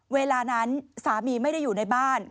เวลานั้นสามีไม่ได้อยู่ในบ้าน